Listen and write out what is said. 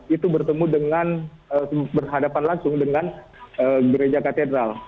itu bertemu dengan berhadapan langsung dengan gereja katedral